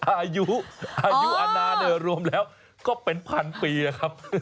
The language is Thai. อายุอายุอนาเนี่ยรวมแล้วก็เป็นพันปีนะครับ